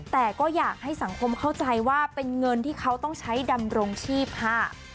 แต่ก็อยากให้สังคมเข้าใจว่าเป็นเงินที่เขาต้องใช้ดำรงชีพค่ะ